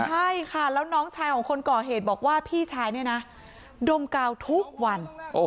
ใช่ค่ะแล้วน้องชายของคนก่อเหตุบอกว่าพี่ชายเนี่ยนะดมกาวทุกวัน